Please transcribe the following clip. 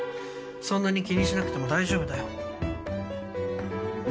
そんなに気にしなくても大丈夫だよ。